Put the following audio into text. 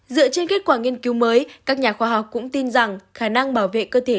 dựa trên kết quả nghiên cứu mới các nhà khoa học cũng tin rằng khả năng bảo vệ cơ thể